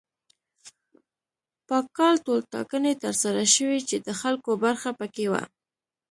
په کال ټولټاکنې تر سره شوې چې د خلکو برخه پکې وه.